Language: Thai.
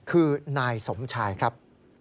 คือนายสมชายครับ